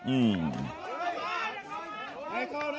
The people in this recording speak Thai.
อืม